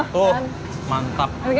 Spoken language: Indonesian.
wah mantap pahanya